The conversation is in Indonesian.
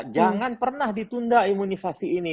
jangan pernah ditunda imunisasi ini